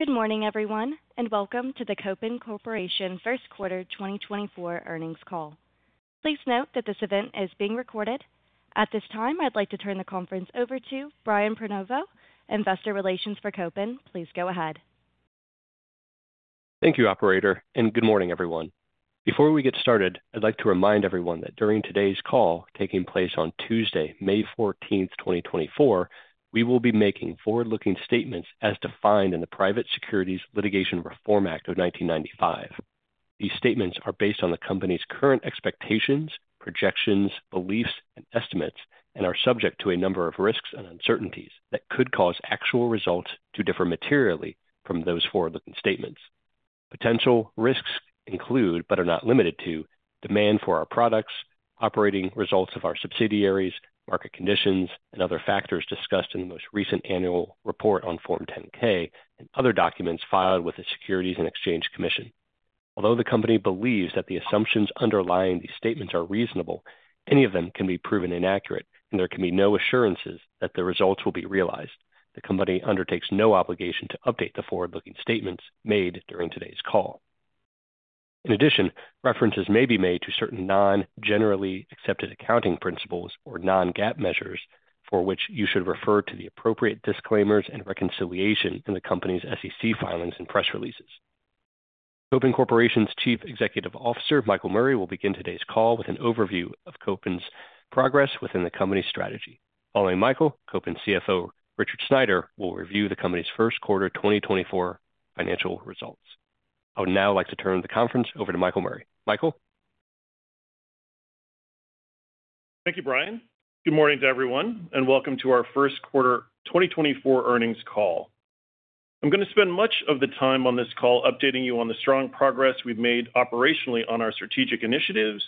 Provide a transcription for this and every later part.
Good morning, everyone, and welcome to the Kopin Corporation first quarter 2024 earnings call. Please note that this event is being recorded. At this time, I'd like to turn the conference over to Brian Prenoveau, Investor Relations for Kopin. Please go ahead. Thank you, operator, and good morning, everyone. Before we get started, I'd like to remind everyone that during today's call, taking place on Tuesday, May 14, 2024, we will be making forward-looking statements as defined in the Private Securities Litigation Reform Act of 1995. These statements are based on the company's current expectations, projections, beliefs, and estimates, and are subject to a number of risks and uncertainties that could cause actual results to differ materially from those forward-looking statements. Potential risks include, but are not limited to, demand for our products, operating results of our subsidiaries, market conditions, and other factors discussed in the most recent annual report on Form 10-K and other documents filed with the Securities and Exchange Commission. Although the company believes that the assumptions underlying these statements are reasonable, any of them can be proven inaccurate, and there can be no assurances that the results will be realized. The company undertakes no obligation to update the forward-looking statements made during today's call. In addition, references may be made to certain non-generally accepted accounting principles or non-GAAP measures for which you should refer to the appropriate disclaimers and reconciliation in the company's SEC filings and press releases. Kopin Corporation's Chief Executive Officer, Michael Murray, will begin today's call with an overview of Kopin's progress within the company's strategy. Following Michael, Kopin CFO Richard Sneider will review the company's first quarter 2024 financial results. I would now like to turn the conference over to Michael Murray. Michael? Thank you, Brian. Good morning to everyone, and welcome to our first quarter 2024 earnings call. I'm going to spend much of the time on this call updating you on the strong progress we've made operationally on our strategic initiatives,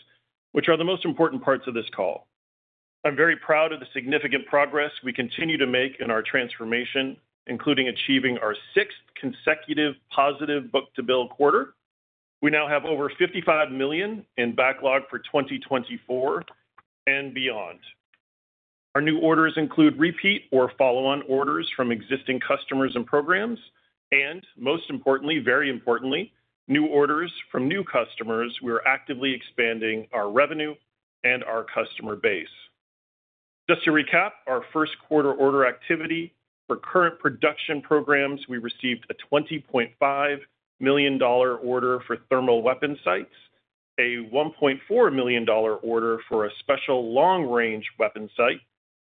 which are the most important parts of this call. I'm very proud of the significant progress we continue to make in our transformation, including achieving our sixth consecutive positive book-to-bill quarter. We now have over $55 million in backlog for 2024 and beyond. Our new orders include repeat or follow-on orders from existing customers and programs, and most importantly, very importantly, new orders from new customers. We are actively expanding our revenue and our customer base. Just to recap our first quarter order activity for current production programs, we received a $20.5 million order for thermal weapon sights, a $1.4 million order for a special long-range weapon sight,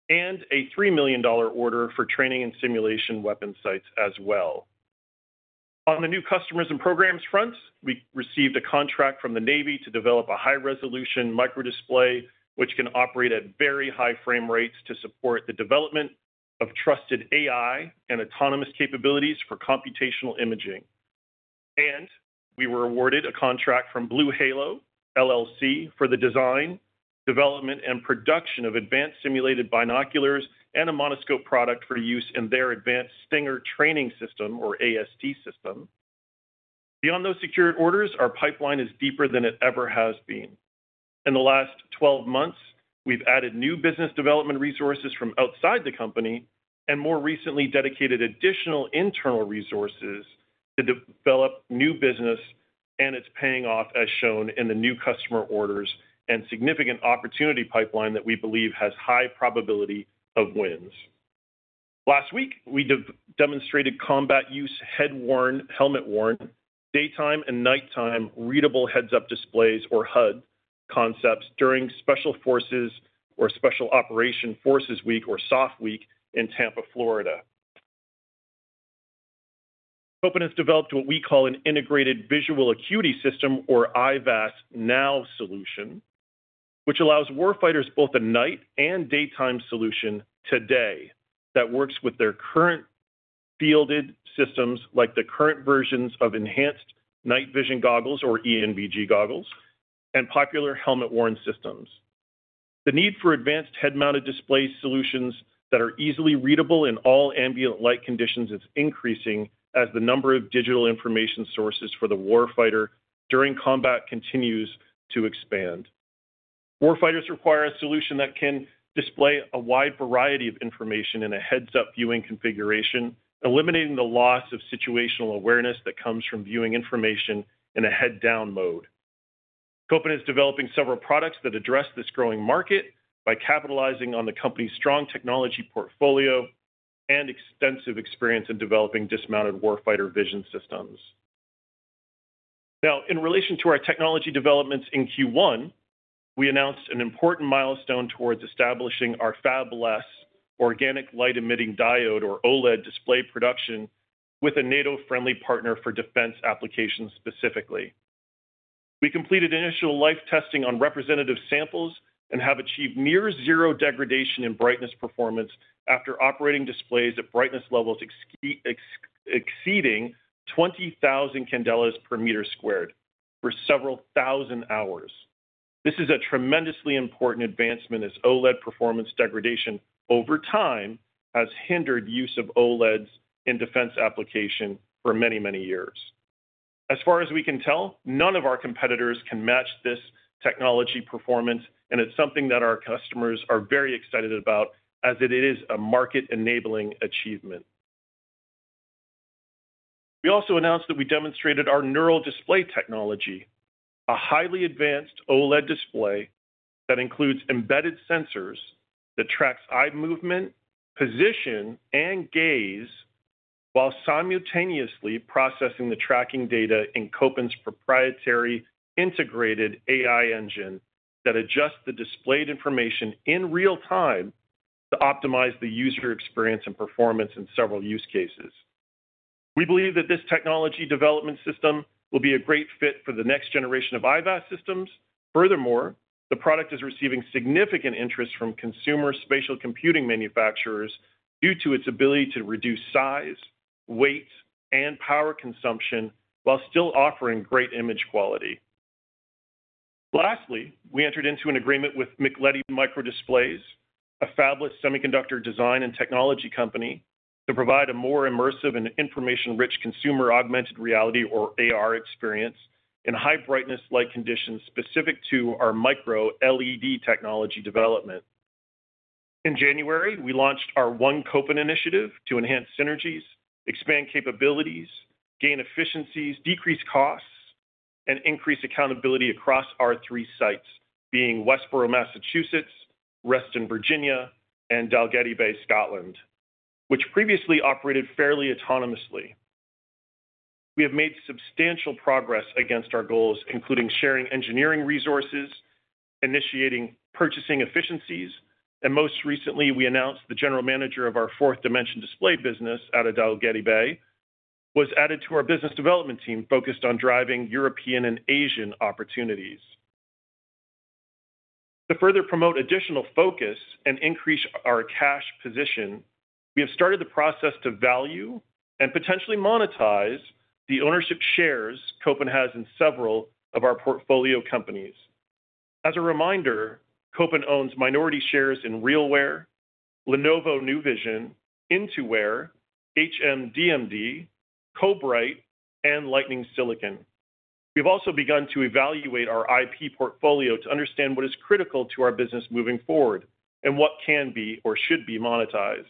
and a $3 million order for training and simulation weapon sights as well. On the new customers and programs fronts, we received a contract from the Navy to develop a high-resolution microdisplay, which can operate at very high frame rates to support the development of trusted AI and autonomous capabilities for computational imaging. We were awarded a contract from BlueHalo, LLC, for the design, development, and production of advanced simulated binoculars and a monoscope product for use in their advanced Stinger training system or AST system. Beyond those secured orders, our pipeline is deeper than it ever has been. In the last 12 months, we've added new business development resources from outside the company and more recently dedicated additional internal resources to develop new business, and it's paying off as shown in the new customer orders and significant opportunity pipeline that we believe has high probability of wins. Last week, we demonstrated combat use head-worn, helmet-worn, daytime and nighttime readable heads-up displays or HUD concepts during Special Operations Forces Week or SOF Week in Tampa, Florida. Kopin has developed what we call an integrated visual acuity system or IVAS NOW solution, which allows warfighters both a night and daytime solution today that works with their current fielded systems like the current versions of enhanced night vision goggles or ENVG goggles and popular helmet-worn systems. The need for advanced head-mounted display solutions that are easily readable in all ambient light conditions is increasing as the number of digital information sources for the warfighter during combat continues to expand. Warfighters require a solution that can display a wide variety of information in a heads-up viewing configuration, eliminating the loss of situational awareness that comes from viewing information in a head-down mode. Kopin is developing several products that address this growing market by capitalizing on the company's strong technology portfolio and extensive experience in developing dismounted warfighter vision systems. Now, in relation to our technology developments in Q1, we announced an important milestone towards establishing our fabless organic light-emitting diode or OLED display production with a NATO-friendly partner for defense applications specifically. We completed initial life testing on representative samples and have achieved near-zero degradation in brightness performance after operating displays at brightness levels exceeding 20,000 candelas per meter squared for several thousand hours. This is a tremendously important advancement as OLED performance degradation over time has hindered use of OLEDs in defense application for many, many years. As far as we can tell, none of our competitors can match this technology performance, and it's something that our customers are very excited about as it is a market-enabling achievement. We also announced that we demonstrated our Neural Display technology, a highly advanced OLED display that includes embedded sensors that track eye movement, position, and gaze while simultaneously processing the tracking data in Kopin's proprietary integrated AI engine that adjusts the displayed information in real time to optimize the user experience and performance in several use cases. We believe that this technology development system will be a great fit for the next generation of IVAS systems. Furthermore, the product is receiving significant interest from consumer spatial computing manufacturers due to its ability to reduce size, weight, and power consumption while still offering great image quality. Lastly, we entered into an agreement with MICLEDI Microdisplays, a fabless semiconductor design and technology company, to provide a more immersive and information-rich consumer augmented reality or AR experience in high brightness light conditions specific to our Micro LED technology development. In January, we launched our One Kopin initiative to enhance synergies, expand capabilities, gain efficiencies, decrease costs, and increase accountability across our three sites, being Westborough, Massachusetts, Reston, Virginia, and Dalgetty Bay, Scotland, which previously operated fairly autonomously. We have made substantial progress against our goals, including sharing engineering resources, initiating purchasing efficiencies, and most recently, we announced the general manager of our Forth Dimension Displays business out of Dalgetty Bay was added to our business development team focused on driving European and Asian opportunities. To further promote additional focus and increase our cash position, we have started the process to value and potentially monetize the ownership shares Kopin has in several of our portfolio companies. As a reminder, Kopin owns minority shares in RealWear, Lenovo New Vision, Intoware, HMDmd, Cobrite, and Lightning Silicon. We've also begun to evaluate our IP portfolio to understand what is critical to our business moving forward and what can be or should be monetized.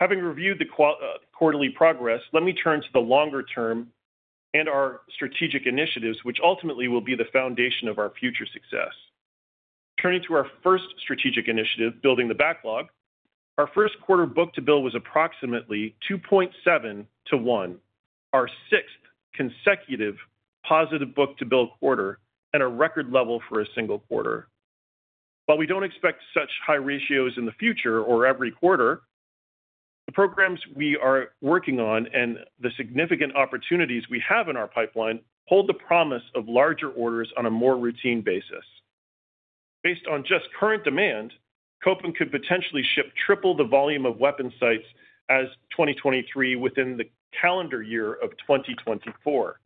Having reviewed the quarterly progress, let me turn to the longer term and our strategic initiatives, which ultimately will be the foundation of our future success. Turning to our first strategic initiative, building the backlog, our first quarter book-to-bill was approximately 2.7-to-1, our sixth consecutive positive book-to-bill quarter, and a record level for a single quarter. While we don't expect such high ratios in the future or every quarter, the programs we are working on and the significant opportunities we have in our pipeline hold the promise of larger orders on a more routine basis. Based on just current demand, Kopin could potentially ship triple the volume of weapon sights as 2023 within the calendar year of 2024.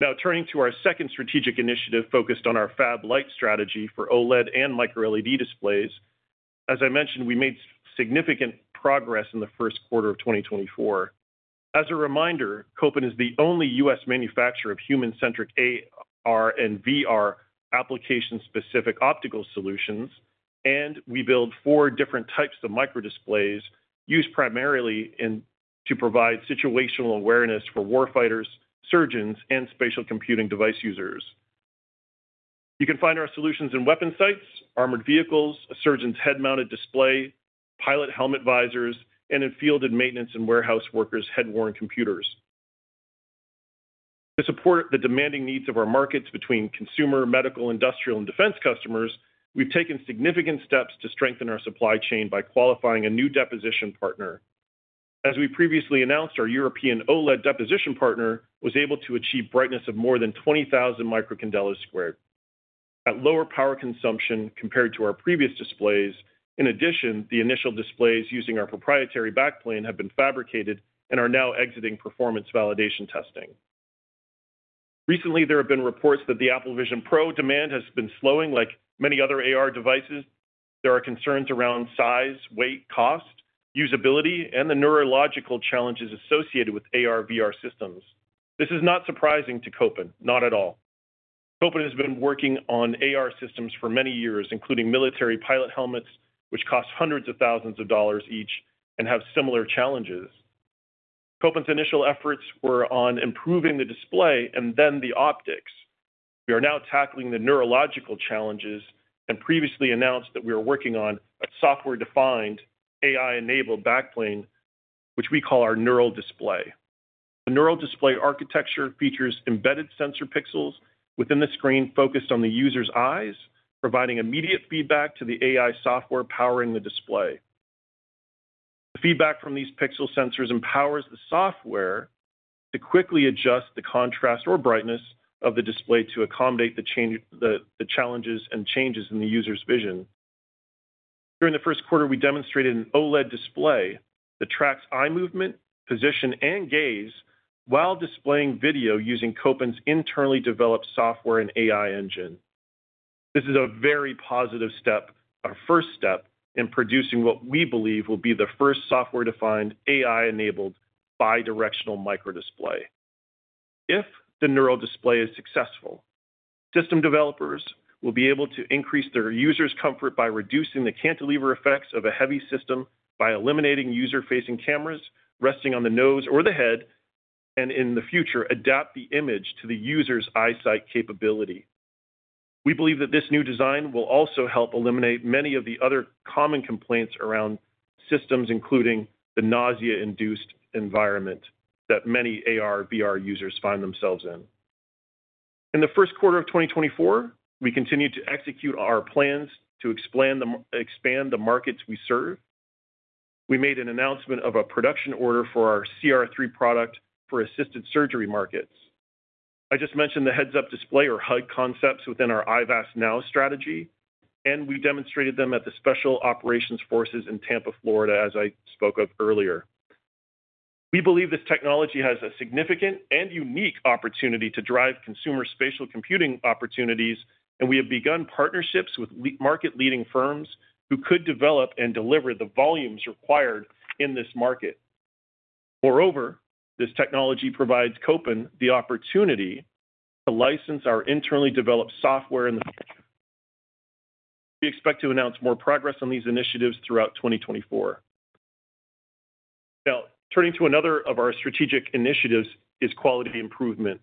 Now, turning to our second strategic initiative focused on our fab light strategy for OLED and micro LED displays, as I mentioned, we made significant progress in the first quarter of 2024. As a reminder, Kopin is the only U.S. manufacturer of human-centric AR and VR application-specific optical solutions, and we build four different types of microdisplays used primarily to provide situational awareness for warfighters, surgeons, and spatial computing device users. You can find our solutions in weapon sights, armored vehicles, a surgeon's head-mounted display, pilot helmet visors, and in fielded maintenance and warehouse workers' head-worn computers. To support the demanding needs of our markets between consumer, medical, industrial, and defense customers, we've taken significant steps to strengthen our supply chain by qualifying a new deposition partner. As we previously announced, our European OLED deposition partner was able to achieve brightness of more than 20,000 candela per square meter at lower power consumption compared to our previous displays. In addition, the initial displays using our proprietary backplane have been fabricated and are now exiting performance validation testing. Recently, there have been reports that the Apple Vision Pro demand has been slowing. Like many other AR devices, there are concerns around size, weight, cost, usability, and the neurological challenges associated with AR/VR systems. This is not surprising to Kopin, not at all. Kopin has been working on AR systems for many years, including military pilot helmets, which cost hundreds of thousands of dollars each and have similar challenges. Kopin's initial efforts were on improving the display and then the optics. We are now tackling the neurological challenges and previously announced that we are working on a software-defined AI-enabled backplane, which we call our neural display. The neural display architecture features embedded sensor pixels within the screen focused on the user's eyes, providing immediate feedback to the AI software powering the display. The feedback from these pixel sensors empowers the software to quickly adjust the contrast or brightness of the display to accommodate the challenges and changes in the user's vision. During the first quarter, we demonstrated an OLED display that tracks eye movement, position, and gaze while displaying video using Kopin's internally developed software and AI engine. This is a very positive step, our first step in producing what we believe will be the first software-defined AI-enabled bidirectional microdisplay. If the neural display is successful, system developers will be able to increase their user's comfort by reducing the cantilever effects of a heavy system by eliminating user-facing cameras resting on the nose or the head and, in the future, adapt the image to the user's eyesight capability. We believe that this new design will also help eliminate many of the other common complaints around systems, including the nausea-induced environment that many AR/VR users find themselves in. In the first quarter of 2024, we continued to execute our plans to expand the markets we serve. We made an announcement of a production order for our CR3 product for assisted surgery markets. I just mentioned the heads-up display or HUD concepts within our IVAS NOW strategy, and we demonstrated them at the Special Operations Forces in Tampa, Florida, as I spoke of earlier. We believe this technology has a significant and unique opportunity to drive consumer spatial computing opportunities, and we have begun partnerships with market-leading firms who could develop and deliver the volumes required in this market. Moreover, this technology provides Kopin the opportunity to license our internally developed software in the future. We expect to announce more progress on these initiatives throughout 2024. Now, turning to another of our strategic initiatives is quality improvement,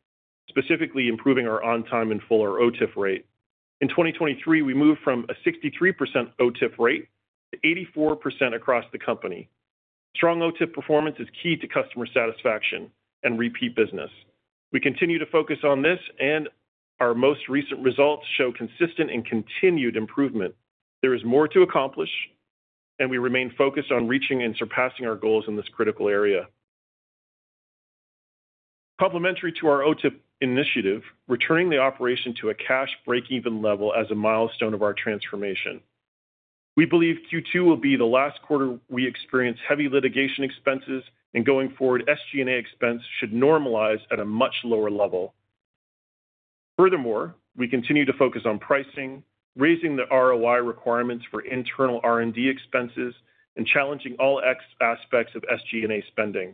specifically improving our on-time in-full OTIF rate. In 2023, we moved from a 63% OTIF rate to 84% across the company. Strong OTIF performance is key to customer satisfaction and repeat business. We continue to focus on this, and our most recent results show consistent and continued improvement. There is more to accomplish, and we remain focused on reaching and surpassing our goals in this critical area. Complementary to our OTIF initiative, returning the operation to a cash break-even level as a milestone of our transformation. We believe Q2 will be the last quarter we experience heavy litigation expenses, and going forward, SG&A expense should normalize at a much lower level. Furthermore, we continue to focus on pricing, raising the ROI requirements for internal R&D expenses, and challenging all aspects of SG&A spending.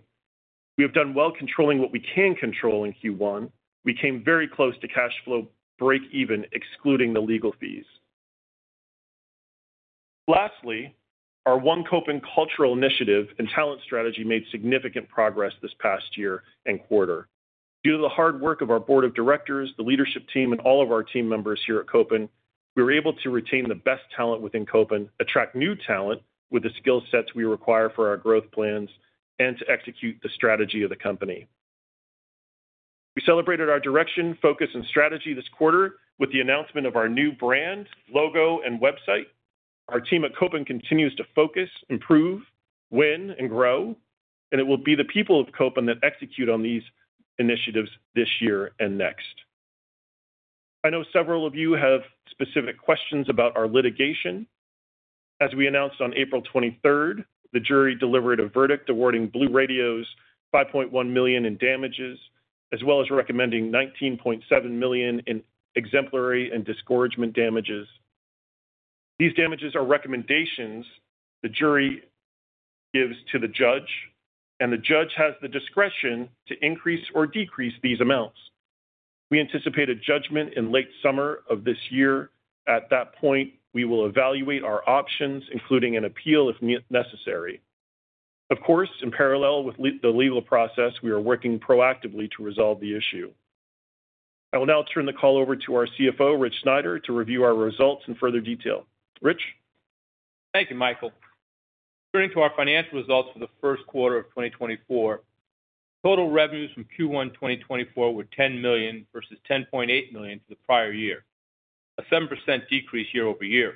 We have done well controlling what we can control in Q1. We came very close to cash flow break-even, excluding the legal fees. Lastly, our One Kopin cultural initiative and talent strategy made significant progress this past year and quarter. Due to the hard work of our board of directors, the leadership team, and all of our team members here at Kopin, we were able to retain the best talent within Kopin, attract new talent with the skill sets we require for our growth plans, and to execute the strategy of the company. We celebrated our direction, focus, and strategy this quarter with the announcement of our new brand, logo, and website. Our team at Kopin continues to focus, improve, win, and grow, and it will be the people of Kopin that execute on these initiatives this year and next. I know several of you have specific questions about our litigation. As we announced on April 23rd, the jury delivered a verdict awarding BlueRadios $5.1 million in damages, as well as recommending $19.7 million in exemplary and discouragement damages. These damages are recommendations the jury gives to the judge, and the judge has the discretion to increase or decrease these amounts. We anticipate a judgment in late summer of this year. At that point, we will evaluate our options, including an appeal if necessary. Of course, in parallel with the legal process, we are working proactively to resolve the issue. I will now turn the call over to our CFO, Rich Sneider, to review our results in further detail. Rich? Thank you, Michael. Turning to our financial results for the first quarter of 2024, total revenues from Q1 2024 were $10 million versus $10.8 million to the prior year, a 7% decrease year-over-year.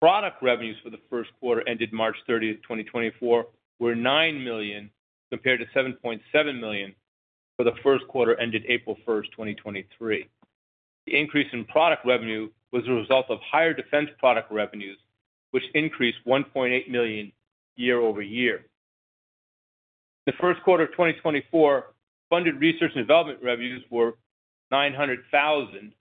Product revenues for the first quarter ended March 30th, 2024, were $9 million compared to $7.7 million for the first quarter ended April 1st, 2023. The increase in product revenue was a result of higher defense product revenues, which increased $1.8 million year-over-year. In the first quarter of 2024, funded research and development revenues were $900,000,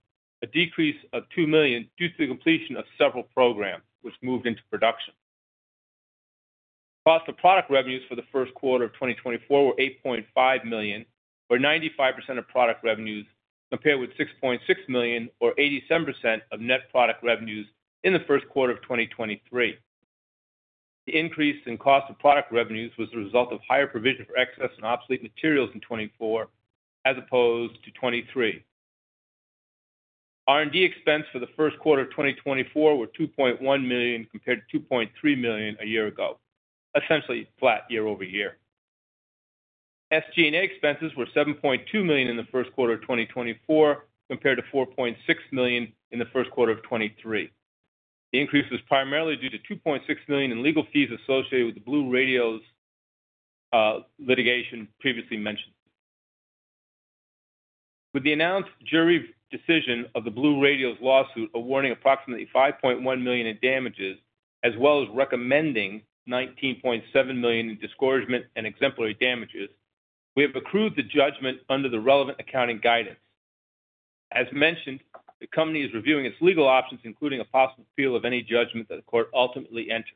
a decrease of $2 million due to the completion of several programs, which moved into production. Cost of product revenues for the first quarter of 2024 were $8.5 million, or 95% of product revenues compared with $6.6 million, or 87% of net product revenues in the first quarter of 2023. The increase in cost of product revenues was a result of higher provision for excess and obsolete materials in 2024 as opposed to 2023. R&D expense for the first quarter of 2024 were $2.1 million compared to $2.3 million a year ago, essentially flat year over year. SG&A expenses were $7.2 million in the first quarter of 2024 compared to $4.6 million in the first quarter of 2023. The increase was primarily due to $2.6 million in legal fees associated with the BlueRadios litigation previously mentioned. With the announced jury decision of the BlueRadios lawsuit awarding approximately $5.1 million in damages, as well as recommending $19.7 million in disgorgement and exemplary damages, we have accrued the judgment under the relevant accounting guidance. As mentioned, the company is reviewing its legal options, including a possible appeal of any judgment that the court ultimately enters.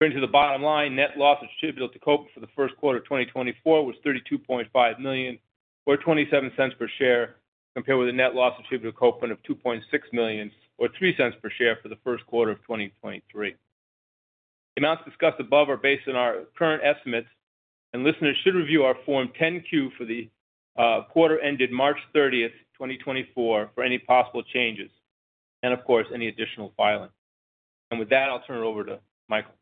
Turning to the bottom line, net loss attributable to Kopin for the first quarter of 2024 was $32.5 million, or $0.27 per share, compared with a net loss attributable to Kopin of $2.6 million, or $0.03 per share for the first quarter of 2023. The amounts discussed above are based on our current estimates, and listeners should review our Form 10-Q for the quarter ended March 30th, 2024, for any possible changes and, of course, any additional filing. With that, I'll turn it over to Michael.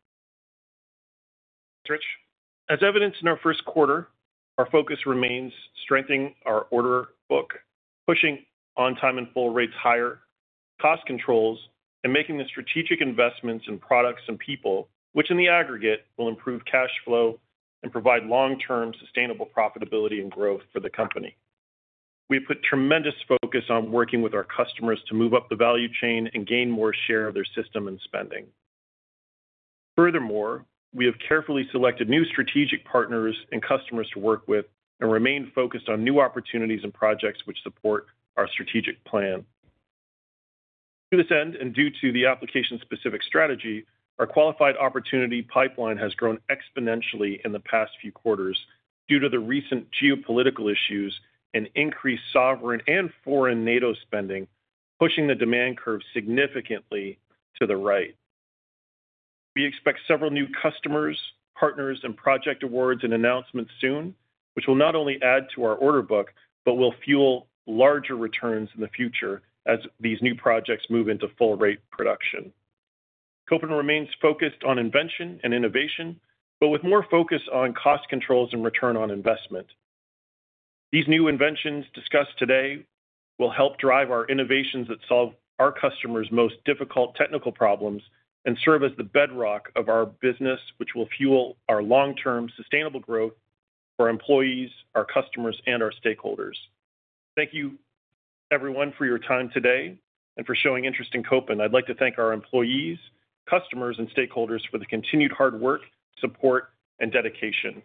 Thanks, Rich. As evidenced in our first quarter, our focus remains strengthening our order book, pushing on-time and in-full rates higher, cost controls, and making the strategic investments in products and people, which in the aggregate will improve cash flow and provide long-term sustainable profitability and growth for the company. We have put tremendous focus on working with our customers to move up the value chain and gain more share of their system and spending. Furthermore, we have carefully selected new strategic partners and customers to work with and remain focused on new opportunities and projects which support our strategic plan. To this end and due to the application-specific strategy, our qualified opportunity pipeline has grown exponentially in the past few quarters due to the recent geopolitical issues and increased sovereign and foreign NATO spending, pushing the demand curve significantly to the right. We expect several new customers, partners, and project awards and announcements soon, which will not only add to our order book but will fuel larger returns in the future as these new projects move into full-rate production. Kopin remains focused on invention and innovation, but with more focus on cost controls and return on investment. These new inventions discussed today will help drive our innovations that solve our customers' most difficult technical problems and serve as the bedrock of our business, which will fuel our long-term sustainable growth for our employees, our customers, and our stakeholders. Thank you, everyone, for your time today and for showing interest in Kopin. I'd like to thank our employees, customers, and stakeholders for the continued hard work, support, and dedication.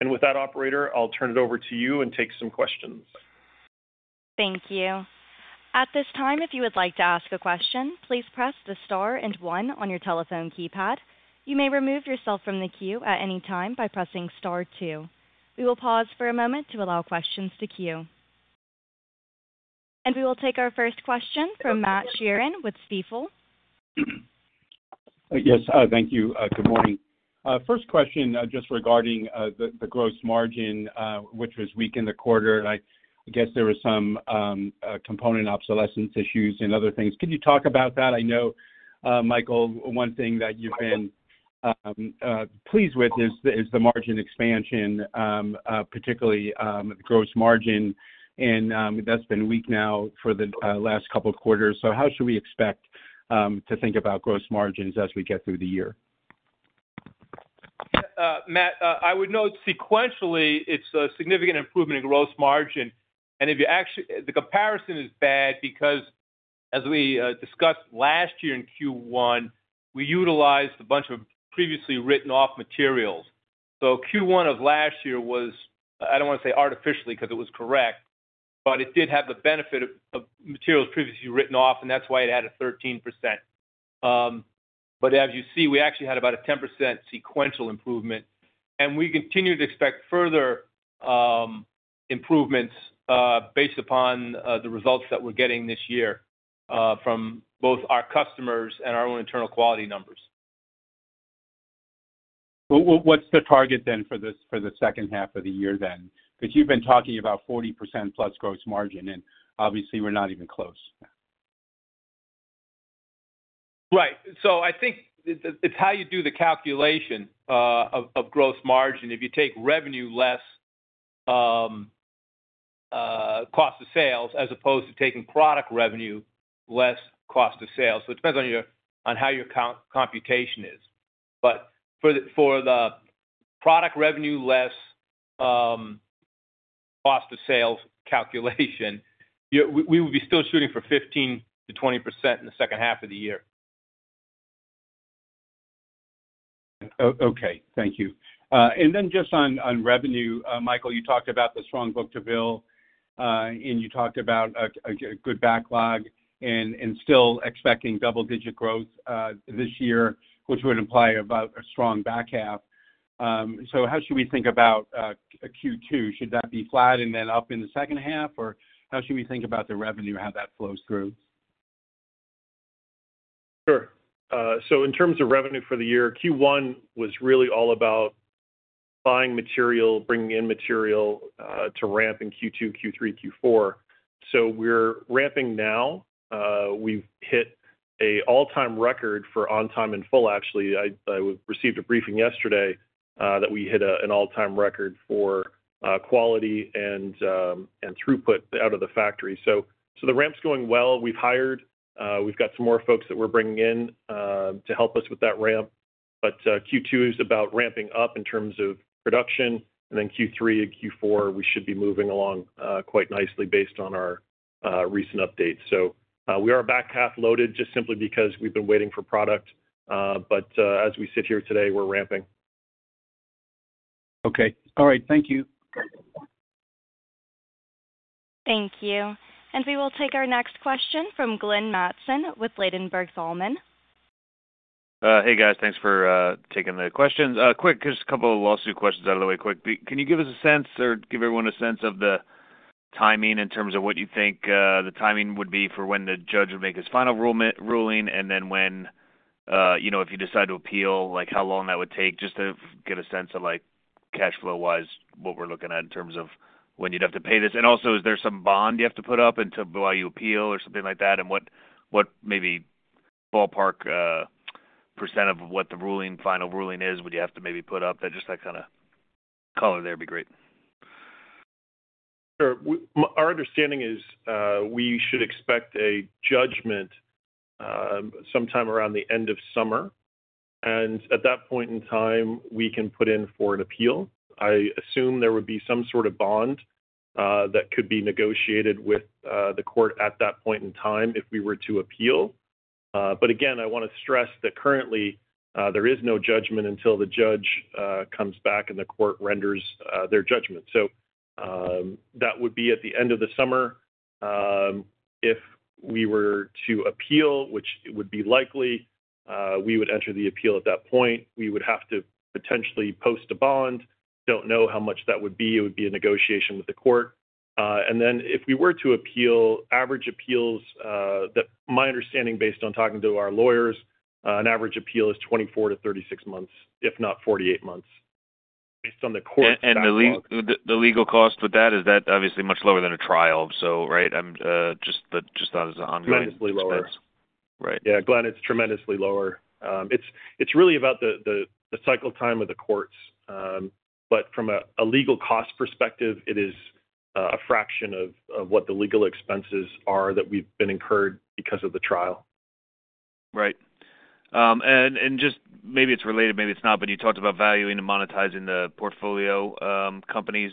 And with that, operator, I'll turn it over to you and take some questions. Thank you. At this time, if you would like to ask a question, please press the star and one on your telephone keypad. You may remove yourself from the queue at any time by pressing star two. We will pause for a moment to allow questions to queue. We will take our first question from Matt Sheerin with Stifel. Yes. Thank you. Good morning. First question just regarding the gross margin, which was weak in the quarter. And I guess there were some component obsolescence issues and other things. Could you talk about that? I know, Michael, one thing that you've been pleased with is the margin expansion, particularly the gross margin. And that's been weak now for the last couple of quarters. So how should we expect to think about gross margins as we get through the year? Matt, I would note sequentially, it's a significant improvement in gross margin. And the comparison is bad because, as we discussed last year in Q1, we utilized a bunch of previously written-off materials. So Q1 of last year was, I don't want to say artificially because it was correct, but it did have the benefit of materials previously written off, and that's why it had a 13%. But as you see, we actually had about a 10% sequential improvement. And we continue to expect further improvements based upon the results that we're getting this year from both our customers and our own internal quality numbers. What's the target then for the second half of the year then? Because you've been talking about 40%+ gross margin, and obviously, we're not even close. Right. So I think it's how you do the calculation of gross margin. If you take revenue less cost of sales as opposed to taking product revenue less cost of sales. So it depends on how your computation is. But for the product revenue less cost of sales calculation, we would be still shooting for 15%-20% in the second half of the year. Okay. Thank you. And then just on revenue, Michael, you talked about the strong book-to-bill, and you talked about a good backlog and still expecting double-digit growth this year, which would imply about a strong back half. So how should we think about Q2? Should that be flat and then up in the second half, or how should we think about the revenue, how that flows through? Sure. So in terms of revenue for the year, Q1 was really all about buying material, bringing in material to ramp in Q2, Q3, Q4. So we're ramping now. We've hit an all-time record for on-time and full, actually. I received a briefing yesterday that we hit an all-time record for quality and throughput out of the factory. So the ramp's going well. We've hired. We've got some more folks that we're bringing in to help us with that ramp. But Q2 is about ramping up in terms of production. And then Q3 and Q4, we should be moving along quite nicely based on our recent updates. So we are back half loaded just simply because we've been waiting for product. But as we sit here today, we're ramping. Okay. All right. Thank you. Thank you. We will take our next question from Glenn Mattson with Ladenburg Thalmann. Hey, guys. Thanks for taking the questions. Quick, just a couple of lawsuit questions out of the way, quick. Can you give us a sense or give everyone a sense of the timing in terms of what you think the timing would be for when the judge would make his final ruling and then when if you decide to appeal, how long that would take? Just to get a sense of cash flow-wise, what we're looking at in terms of when you'd have to pay this. And also, is there some bond you have to put up until while you appeal or something like that? And what maybe ballpark percent of what the final ruling is would you have to maybe put up? Just that kind of color there would be great. Sure. Our understanding is we should expect a judgment sometime around the end of summer. At that point in time, we can put in for an appeal. I assume there would be some sort of bond that could be negotiated with the court at that point in time if we were to appeal. But again, I want to stress that currently, there is no judgment until the judge comes back and the court renders their judgment. So that would be at the end of the summer. If we were to appeal, which would be likely, we would enter the appeal at that point. We would have to potentially post a bond. Don't know how much that would be. It would be a negotiation with the court. And then, if we were to appeal, average appeals, that my understanding, based on talking to our lawyers, an average appeal is 24-36 months, if not 48 months, based on the court's background. The legal cost with that, is that obviously much lower than a trial, right? Just as an ongoing expense? Tremendously lower. Right. Yeah. Glenn, it's tremendously lower. It's really about the cycle time of the courts. But from a legal cost perspective, it is a fraction of what the legal expenses are that we've been incurred because of the trial. Right. Just maybe it's related, maybe it's not, but you talked about valuing and monetizing the portfolio companies.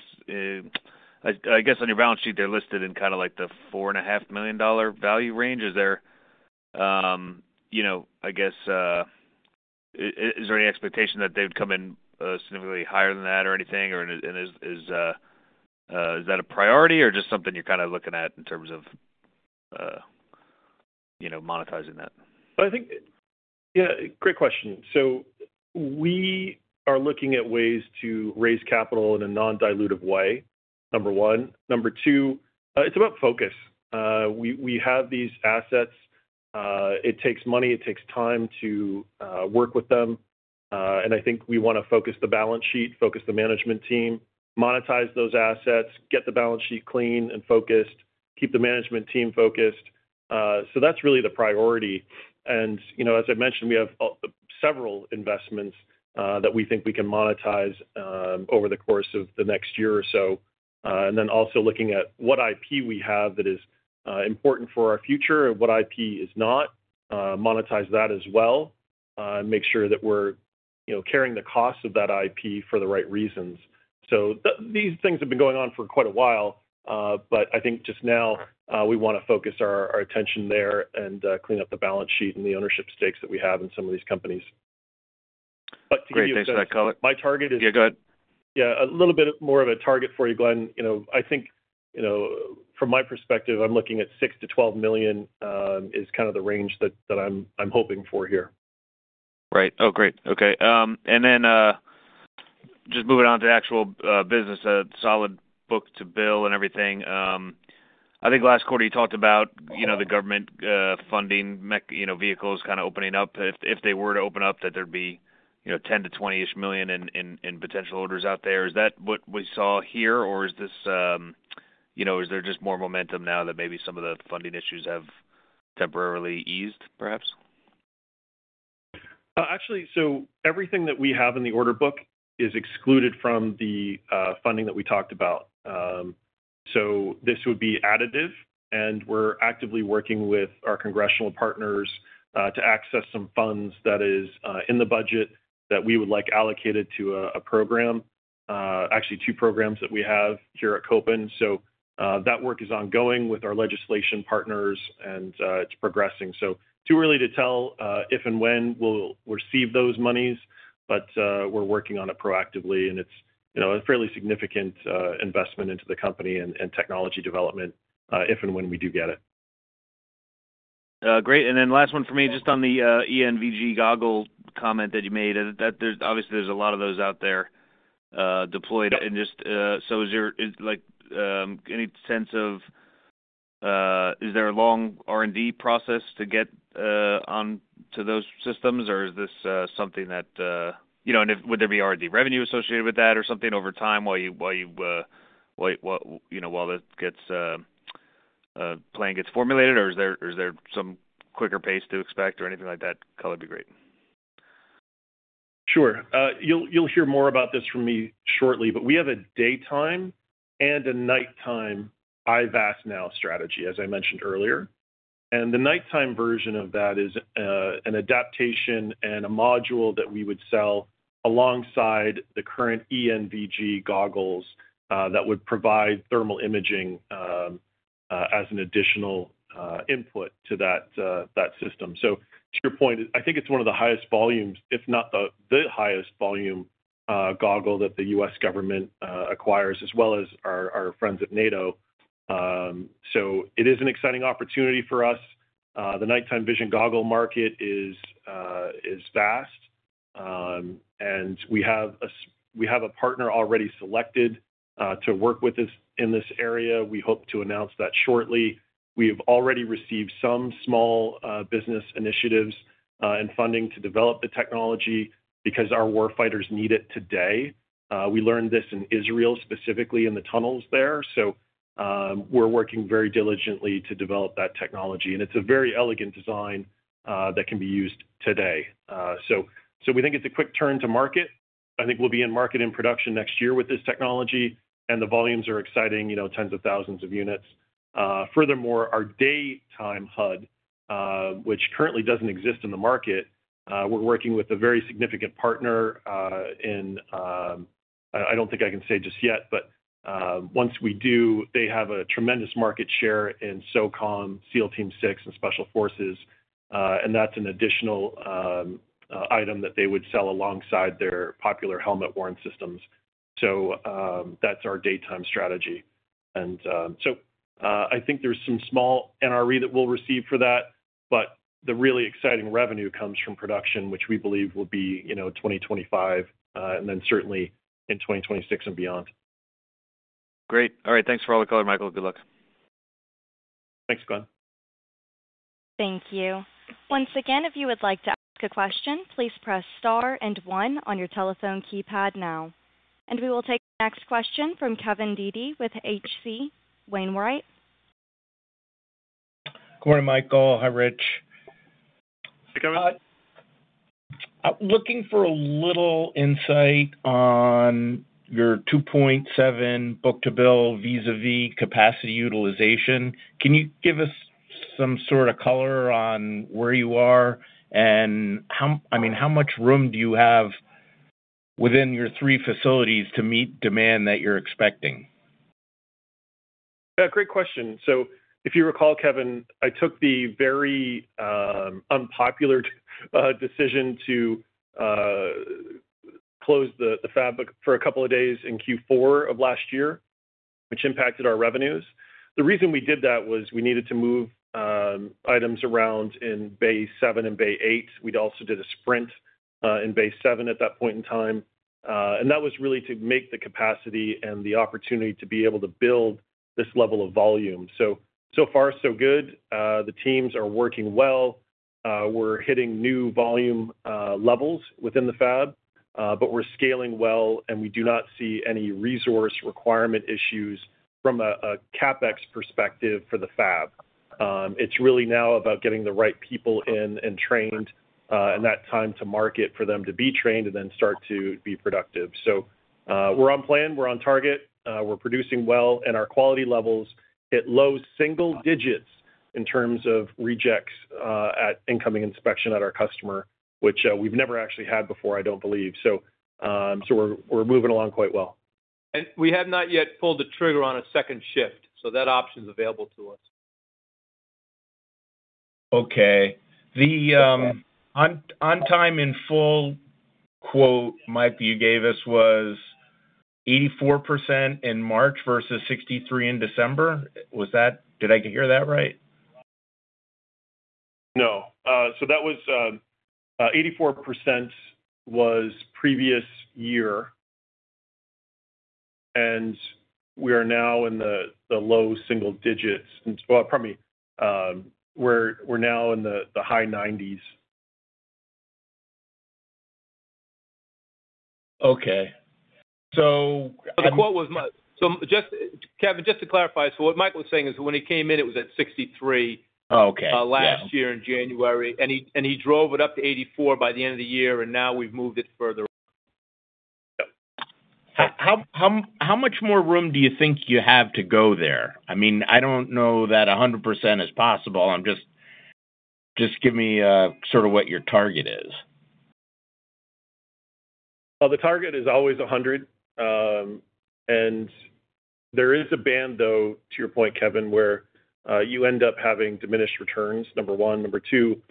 I guess on your balance sheet, they're listed in kind of like the $4.5 million value range. Is there, I guess, is there any expectation that they would come in significantly higher than that or anything? And is that a priority or just something you're kind of looking at in terms of monetizing that? Yeah. Great question. So we are looking at ways to raise capital in a non-dilutive way, number one. Number two, it's about focus. We have these assets. It takes money. It takes time to work with them. And I think we want to focus the balance sheet, focus the management team, monetize those assets, get the balance sheet clean and focused, keep the management team focused. So that's really the priority. And as I mentioned, we have several investments that we think we can monetize over the course of the next year or so. And then also looking at what IP we have that is important for our future and what IP is not, monetize that as well, and make sure that we're carrying the cost of that IP for the right reasons. So these things have been going on for quite a while, but I think just now, we want to focus our attention there and clean up the balance sheet and the ownership stakes that we have in some of these companies. But to give you a sense of. Great. Thanks, Colin. My target is. Yeah. Go ahead. Yeah. A little bit more of a target for you, Glenn. I think from my perspective, I'm looking at $6 million-$12 million is kind of the range that I'm hoping for here. Right. Oh, great. Okay. And then just moving on to actual business, solid book-to-bill and everything. I think last quarter, you talked about the government funding vehicles kind of opening up. If they were to open up, that there'd be $10 million-$20 million-ish in potential orders out there. Is that what we saw here, or is there just more momentum now that maybe some of the funding issues have temporarily eased, perhaps? Actually, so everything that we have in the order book is excluded from the funding that we talked about. So this would be additive. And we're actively working with our congressional partners to access some funds that is in the budget that we would like allocated to a program, actually, two programs that we have here at Kopin. So that work is ongoing with our legislative partners, and it's progressing. So too early to tell if and when we'll receive those monies, but we're working on it proactively. And it's a fairly significant investment into the company and technology development if and when we do get it. Great. And then last one for me, just on the ENVG goggle comment that you made. Obviously, there's a lot of those out there deployed. And just, so is there any sense of, is there a long R&D process to get onto those systems, or is this something that, and would there be R&D revenue associated with that or something over time while that plan gets formulated, or is there some quicker pace to expect or anything like that? Color would be great. Sure. You'll hear more about this from me shortly. But we have a daytime and a nighttime IVAS NOW strategy, as I mentioned earlier. And the nighttime version of that is an adaptation and a module that we would sell alongside the current ENVG goggles that would provide thermal imaging as an additional input to that system. So to your point, I think it's one of the highest volumes, if not the highest volume goggle that the U.S. government acquires, as well as our friends at NATO. So it is an exciting opportunity for us. The night vision goggle market is vast. And we have a partner already selected to work with in this area. We hope to announce that shortly. We have already received some small business initiatives and funding to develop the technology because our warfighters need it today. We learned this in Israel, specifically in the tunnels there. So we're working very diligently to develop that technology. And it's a very elegant design that can be used today. So we think it's a quick turn to market. I think we'll be in market and production next year with this technology. And the volumes are exciting, tens of thousands of units. Furthermore, our daytime HUD, which currently doesn't exist in the market, we're working with a very significant partner. I don't think I can say just yet, but once we do, they have a tremendous market share in SOCOM, SEAL Team 6, and Special Forces. And that's an additional item that they would sell alongside their popular helmet-worn systems. So that's our daytime strategy. And so I think there's some small NRE that we'll receive for that. The really exciting revenue comes from production, which we believe will be 2025 and then certainly in 2026 and beyond. Great. All right. Thanks for all the color, Michael. Good luck. Thanks, Glen. Thank you. Once again, if you would like to ask a question, please press star and one on your telephone keypad now. We will take the next question from Kevin Dede with H.C. Wainwright. Good morning, Michael. Hi, Rich. Hey, Kevin. Looking for a little insight on your 2.7 book-to-bill vis-à-vis capacity utilization. Can you give us some sort of color on where you are? And I mean, how much room do you have within your three facilities to meet demand that you're expecting? Yeah. Great question. So if you recall, Kevin, I took the very unpopular decision to close the fab for a couple of days in Q4 of last year, which impacted our revenues. The reason we did that was we needed to move items around in Bay 7 and Bay 8. We also did a sprint in Bay 7 at that point in time. And that was really to make the capacity and the opportunity to be able to build this level of volume. So far, so good. The teams are working well. We're hitting new volume levels within the fab. But we're scaling well, and we do not see any resource requirement issues from a CapEx perspective for the fab. It's really now about getting the right people in and trained and that time to market for them to be trained and then start to be productive. We're on plan. We're on target. We're producing well. Our quality levels hit low single digits in terms of rejects at incoming inspection at our customer, which we've never actually had before, I don't believe. We're moving along quite well. We have not yet pulled the trigger on a second shift. That option's available to us. Okay. The on-time in full quote, Mike, that you gave us was 84% in March versus 63% in December. Did I hear that right? No. So 84% was previous year. We are now in the low single digits. Well, pardon me. We're now in the high 90s. Okay. So. The quote was much so, Kevin, just to clarify, so what Mike was saying is when he came in, it was at 63 last year in January. He drove it up to 84 by the end of the year, and now we've moved it further up. How much more room do you think you have to go there? I mean, I don't know that 100% is possible. Just give me sort of what your target is. Well, the target is always 100. And there is a band, though, to your point, Kevin, where you end up having diminished returns, number one. Number two,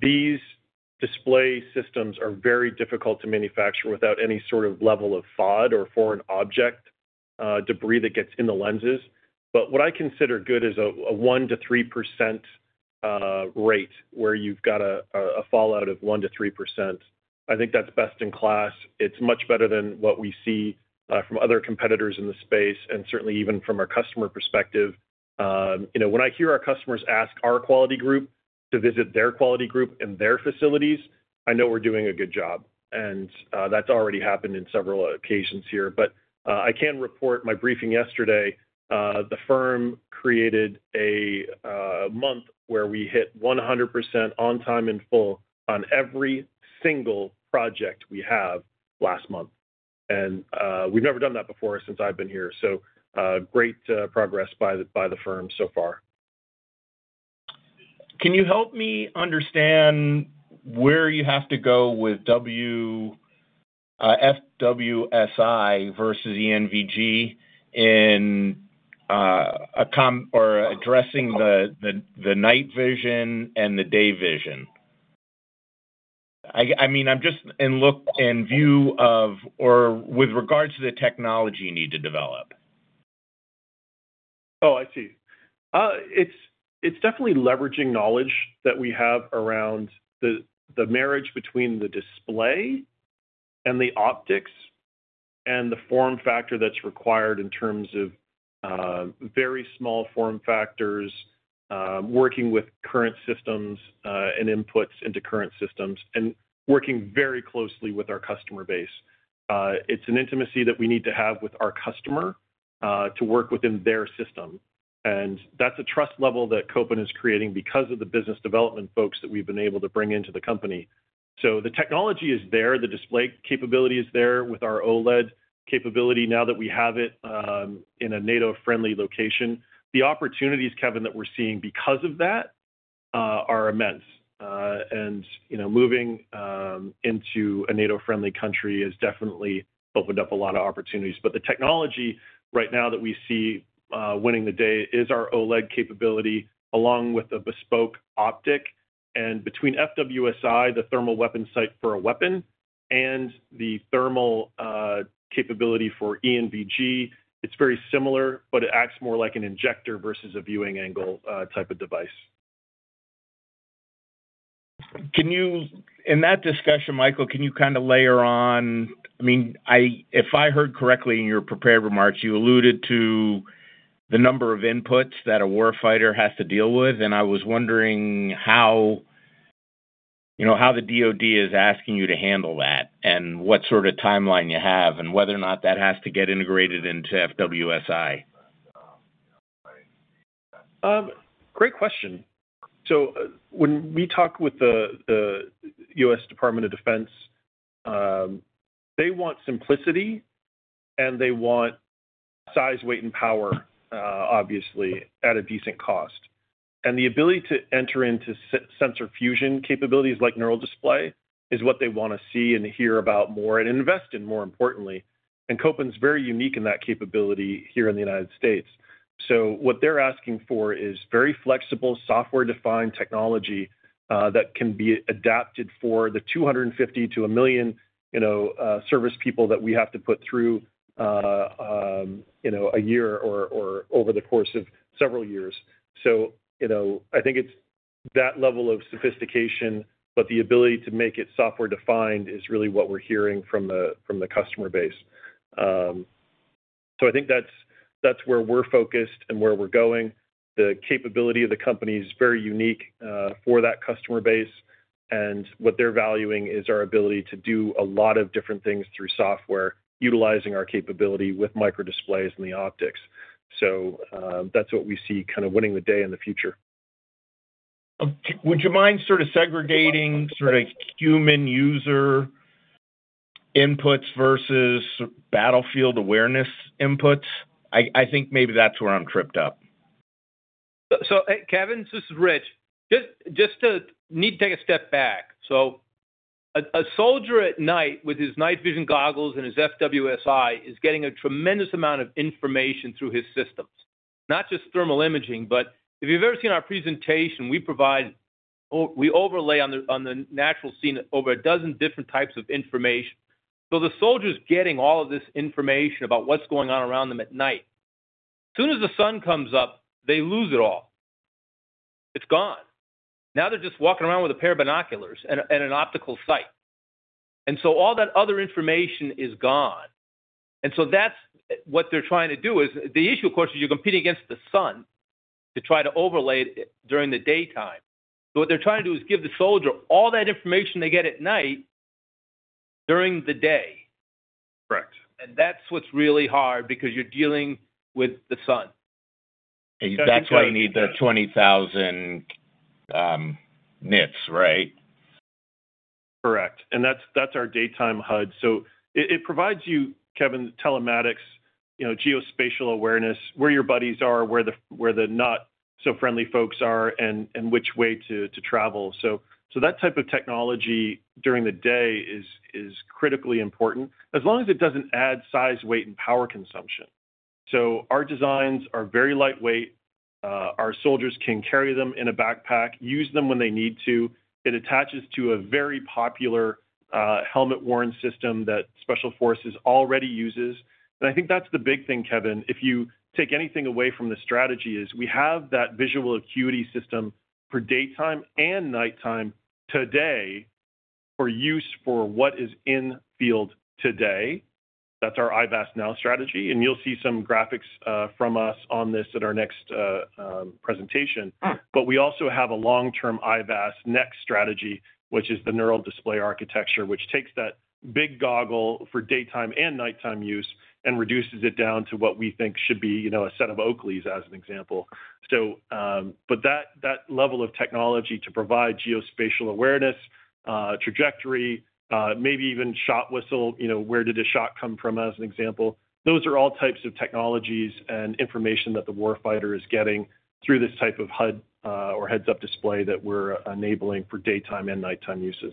these display systems are very difficult to manufacture without any sort of level of FOD or foreign object debris that gets in the lenses. But what I consider good is a 1%-3% rate where you've got a fallout of 1%-3%. I think that's best in class. It's much better than what we see from other competitors in the space and certainly even from our customer perspective. When I hear our customers ask our quality group to visit their quality group in their facilities, I know we're doing a good job. And that's already happened in several occasions here. But I can report my briefing yesterday. The firm created a month where we hit 100% on time and full on every single project we have last month. We've never done that before since I've been here. Great progress by the firm so far. Can you help me understand where you have to go with FWS-I versus ENVG in addressing the night vision and the day vision? I mean, I'm just in view of or with regards to the technology you need to develop. Oh, I see. It's definitely leveraging knowledge that we have around the marriage between the display and the optics and the form factor that's required in terms of very small form factors, working with current systems and inputs into current systems, and working very closely with our customer base. It's an intimacy that we need to have with our customer to work within their system. That's a trust level that Kopin is creating because of the business development folks that we've been able to bring into the company. So the technology is there. The display capability is there with our OLED capability now that we have it in a NATO-friendly location. The opportunities, Kevin, that we're seeing because of that are immense. And moving into a NATO-friendly country has definitely opened up a lot of opportunities. The technology right now that we see winning the day is our OLED capability along with the bespoke optic. Between FWS-I, the thermal weapon sight for a weapon, and the thermal capability for ENVG, it's very similar, but it acts more like an injector versus a viewing angle type of device. In that discussion, Michael, can you kind of layer on, I mean, if I heard correctly in your prepared remarks, you alluded to the number of inputs that a warfighter has to deal with. And I was wondering how the DoD is asking you to handle that and what sort of timeline you have and whether or not that has to get integrated into FWS-I. Great question. So when we talk with the U.S. Department of Defense, they want simplicity, and they want size, weight, and power, obviously, at a decent cost. And the ability to enter into sensor fusion capabilities like neural display is what they want to see and hear about more and invest in, more importantly. And Kopin's very unique in that capability here in the United States. So what they're asking for is very flexible, software-defined technology that can be adapted for the 250 to 1 million service people that we have to put through a year or over the course of several years. So I think it's that level of sophistication, but the ability to make it software-defined is really what we're hearing from the customer base. So I think that's where we're focused and where we're going. The capability of the company is very unique for that customer base. What they're valuing is our ability to do a lot of different things through software utilizing our capability with microdisplays and the optics. That's what we see kind of winning the day in the future. Would you mind sort of segregating sort of human user inputs versus battlefield awareness inputs? I think maybe that's where I'm tripped up. So Kevin, this is Rich. Just need to take a step back. So a soldier at night with his night vision goggles and his FWS-I is getting a tremendous amount of information through his systems, not just thermal imaging. But if you've ever seen our presentation, we overlay on the natural scene over a dozen different types of information. So the soldier's getting all of this information about what's going on around them at night. As soon as the sun comes up, they lose it all. It's gone. Now they're just walking around with a pair of binoculars and an optical sight. And so all that other information is gone. And so that's what they're trying to do is the issue, of course, is you're competing against the sun to try to overlay it during the daytime. What they're trying to do is give the soldier all that information they get at night during the day. Correct. That's what's really hard because you're dealing with the sun. That's why you need the 20,000 nits, right? Correct. That's our daytime HUD. So it provides you, Kevin, telematics, geospatial awareness, where your buddies are, where the not-so-friendly folks are, and which way to travel. So that type of technology during the day is critically important as long as it doesn't add size, weight, and power consumption. So our designs are very lightweight. Our soldiers can carry them in a backpack, use them when they need to. It attaches to a very popular helmet-worn system that Special Forces already uses. And I think that's the big thing, Kevin, if you take anything away from the strategy is we have that visual acuity system for daytime and nighttime today for use for what is in field today. That's our IVAS NOW strategy. And you'll see some graphics from us on this at our next presentation. But we also have a long-term IVAS next strategy, which is the neural display architecture, which takes that big goggle for daytime and nighttime use and reduces it down to what we think should be a set of Oakleys, as an example. But that level of technology to provide geospatial awareness, trajectory, maybe even shot whistle, where did a shot come from, as an example, those are all types of technologies and information that the warfighter is getting through this type of HUD or heads-up display that we're enabling for daytime and nighttime uses.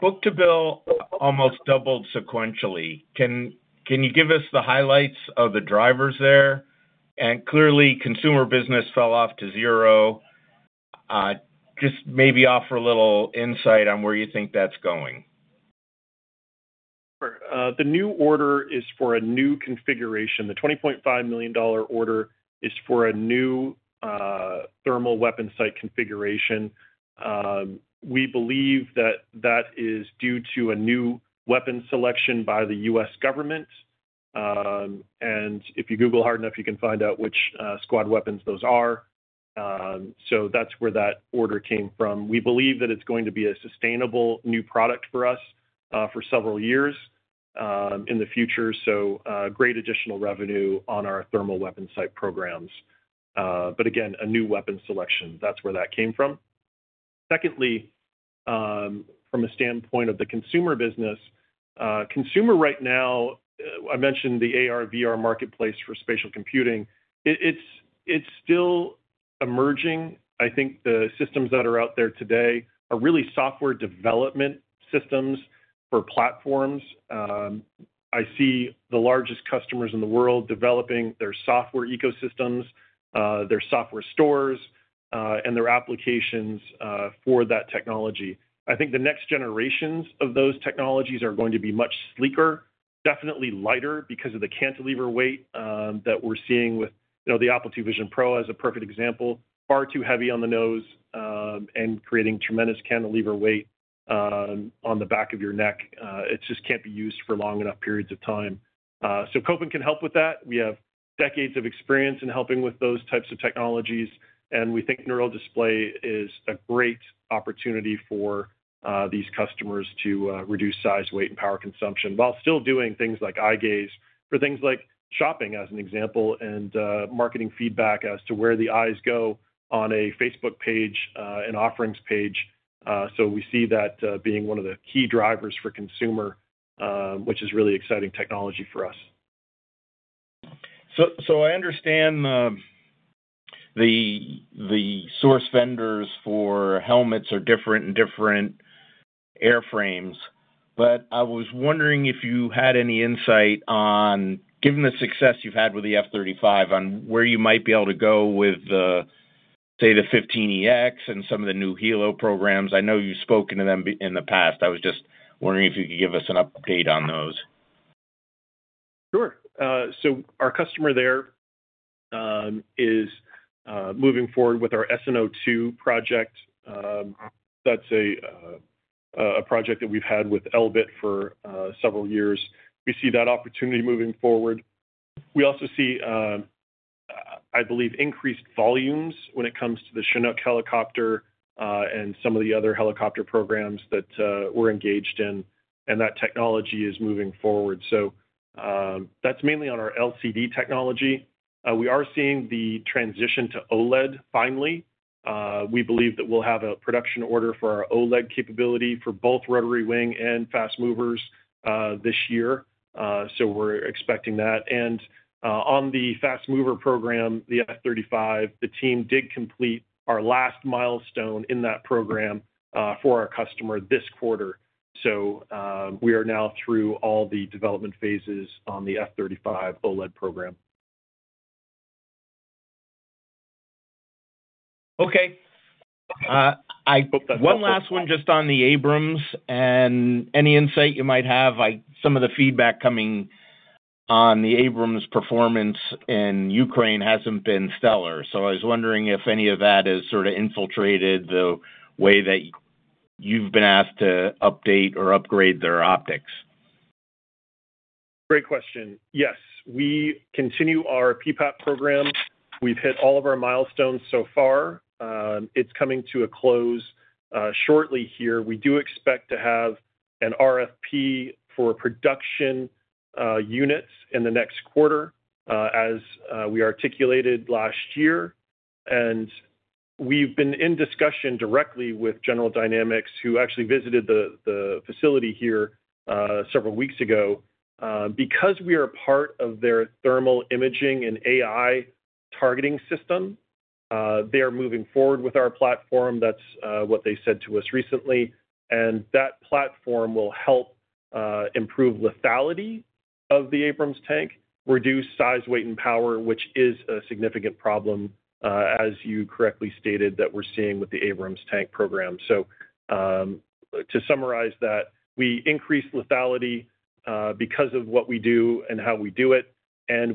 Book-to-bill almost doubled sequentially. Can you give us the highlights of the drivers there? Clearly, consumer business fell off to zero. Just maybe offer a little insight on where you think that's going. Sure. The new order is for a new configuration. The $20.5 million order is for a new thermal weapon sight configuration. We believe that that is due to a new weapon selection by the U.S. government. And if you Google hard enough, you can find out which squad weapons those are. So that's where that order came from. We believe that it's going to be a sustainable new product for us for several years in the future. So great additional revenue on our thermal weapon sight programs. But again, a new weapon selection. That's where that came from. Secondly, from a standpoint of the consumer business, consumer right now, I mentioned the AR/VR marketplace for spatial computing. It's still emerging. I think the systems that are out there today are really software development systems for platforms. I see the largest customers in the world developing their software ecosystems, their software stores, and their applications for that technology. I think the next generations of those technologies are going to be much sleeker, definitely lighter because of the cantilever weight that we're seeing with the Apple Vision Pro as a perfect example, far too heavy on the nose and creating tremendous cantilever weight on the back of your neck. It just can't be used for long enough periods of time. So Kopin can help with that. We have decades of experience in helping with those types of technologies. And we think neural display is a great opportunity for these customers to reduce size, weight, and power consumption while still doing things like eye gaze for things like shopping, as an example, and marketing feedback as to where the eyes go on a Facebook page, an offerings page. We see that being one of the key drivers for consumer, which is really exciting technology for us. So I understand the source vendors for helmets are different and different airframes. But I was wondering if you had any insight on, given the success you've had with the F-35, on where you might be able to go with, say, the 15EX and some of the new HELO programs. I know you've spoken to them in the past. I was just wondering if you could give us an update on those. Sure. So our customer there is moving forward with our SNO2 project. That's a project that we've had with Elbit for several years. We see that opportunity moving forward. We also see, I believe, increased volumes when it comes to the Chinook helicopter and some of the other helicopter programs that we're engaged in. And that technology is moving forward. So that's mainly on our LCD technology. We are seeing the transition to OLED finally. We believe that we'll have a production order for our OLED capability for both rotary wing and fast movers this year. So we're expecting that. And on the fast mover program, the F-35, the team did complete our last milestone in that program for our customer this quarter. So we are now through all the development phases on the F-35 OLED program. Okay. One last one just on the Abrams and any insight you might have. Some of the feedback coming on the Abrams performance in Ukraine hasn't been stellar. So I was wondering if any of that has sort of infiltrated the way that you've been asked to update or upgrade their optics. Great question. Yes. We continue our PPAP program. We've hit all of our milestones so far. It's coming to a close shortly here. We do expect to have an RFP for production units in the next quarter, as we articulated last year. And we've been in discussion directly with General Dynamics, who actually visited the facility here several weeks ago. Because we are a part of their thermal imaging and AI targeting system, they are moving forward with our platform. That's what they said to us recently. And that platform will help improve lethality of the Abrams tank, reduce size, weight, and power, which is a significant problem, as you correctly stated, that we're seeing with the Abrams tank program. So to summarize that, we increase lethality because of what we do and how we do it.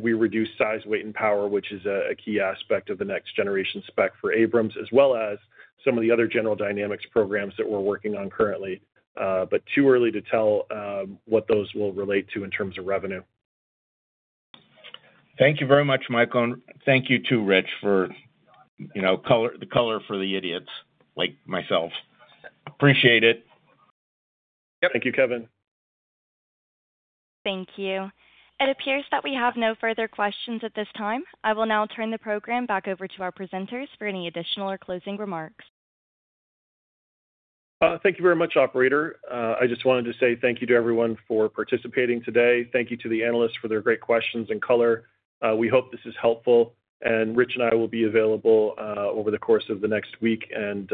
We reduce size, weight, and power, which is a key aspect of the next-generation spec for Abrams, as well as some of the other General Dynamics programs that we're working on currently. Too early to tell what those will relate to in terms of revenue. Thank you very much, Michael. Thank you too, Rich, for the color for the idiots like myself. Appreciate it. Yep. Thank you, Kevin. Thank you. It appears that we have no further questions at this time. I will now turn the program back over to our presenters for any additional or closing remarks. Thank you very much, operator. I just wanted to say thank you to everyone for participating today. Thank you to the analysts for their great questions and color. We hope this is helpful. Rich and I will be available over the course of the next week and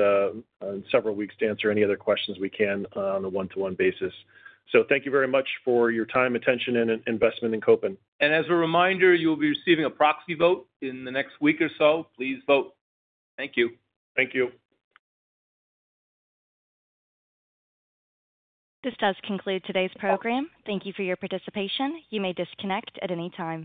several weeks to answer any other questions we can on a one-to-one basis. Thank you very much for your time, attention, and investment in Kopin. As a reminder, you'll be receiving a proxy vote in the next week or so. Please vote. Thank you. Thank you. This does conclude today's program. Thank you for your participation. You may disconnect at any time.